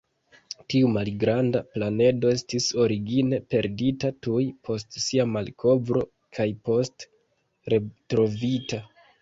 Tiu malgranda planedo estis origine perdita tuj post sia malkovro kaj poste retrovita.